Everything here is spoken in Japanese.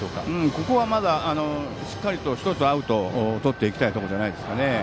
ここはしっかりと１つアウトをとっていきたいところじゃないでしょうかね。